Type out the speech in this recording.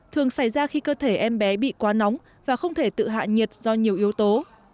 thường xảy ra khi cơ thể em bé bị quá nóng và không thể tự hạ nhiệt do nhiều yếu tố